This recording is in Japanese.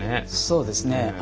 そうですね。